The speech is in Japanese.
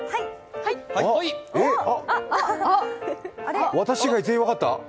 えっ、私以外全員分かった？